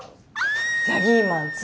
「ジャギーマン２」